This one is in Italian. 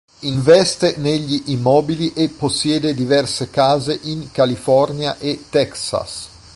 Investe negli immobili e possiede diverse case in California e Texas.